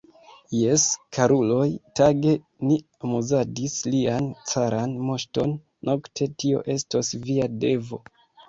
Jes, karuloj, tage ni amuzadis lian caran moŝton, nokte tio estos via devo.